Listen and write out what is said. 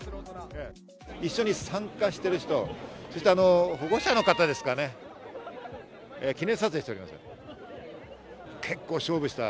一緒に参加している人、保護者の方ですかね、記念撮影しております。